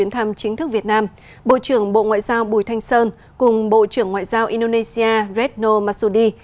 thăm chính thức việt nam bộ trưởng bộ ngoại giao bùi thanh sơn cùng bộ trưởng ngoại giao indonesia redno masudi